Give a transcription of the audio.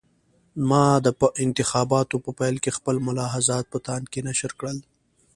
ما د انتخاباتو په پیل کې خپل ملاحضات په تاند کې نشر کړل.